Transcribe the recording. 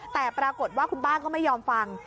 แต่ปรากฏว่าคุณป้าก็ไม่ยอมฟัง